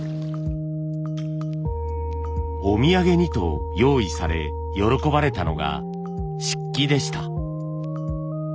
お土産にと用意され喜ばれたのが漆器でした。